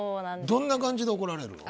どんな感じで怒られているの？